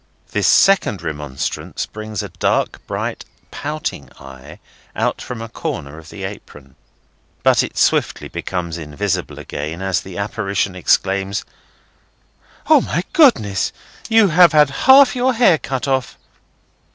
This second remonstrance brings a dark, bright, pouting eye out from a corner of the apron; but it swiftly becomes invisible again, as the apparition exclaims: "O good gracious! you have had half your hair cut off!"